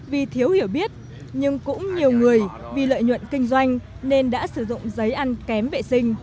vì thiếu hiểu biết nhưng cũng nhiều người vì lợi nhuận kinh doanh nên đã sử dụng giấy ăn kém vệ sinh